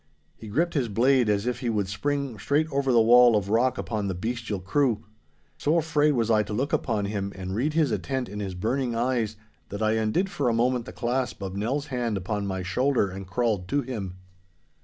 He gripped his blade as if he would spring straight over the wall of rock upon the bestial crew. So afraid was I to look upon him and read his intent in his burning eyes, that I undid for a moment the clasp of Nell's hand upon my shoulder and crawled to him.